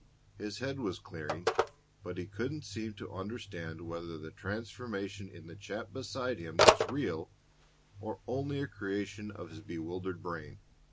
His head was clearing, but he couldn't seem to understand whether the transformation in the chap beside him was real or only a creation of his bewildered brain.